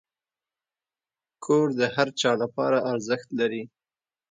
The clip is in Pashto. کور د هر چا لپاره ارزښت لري.